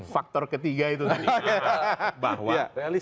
faktor ketiga itu tadi